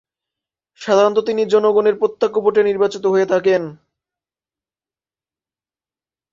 সাধারণত তিনি জনগণের প্রত্যক্ষ ভোটে নির্বাচিত হয়ে থাকেন।